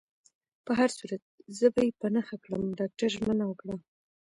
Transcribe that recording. په هر صورت، زه به يې په نښه کړم. ډاکټر ژمنه وکړه.